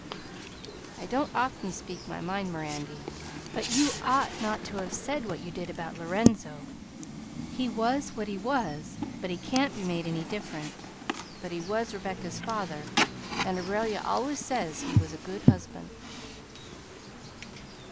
"I don't often speak my mind, Mirandy; but you ought not to have said what you did about Lorenzo. He was what he was, and can't be made any different; but he was Rebecca's father, and Aurelia always says he was a good husband."